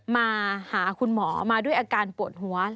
มาหาคุณหมอมาด้วยอาการปวดหัว